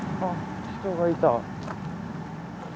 あっ人がいた。